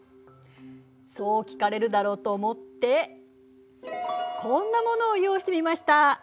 そう聞かれるだろうと思ってこんなものを用意してみました。